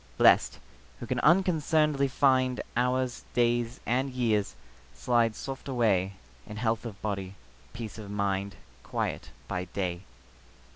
Blest, who can unconcern'dly find Hours, days, and years, slide soft away In health of body, peace of mind, Quiet by day.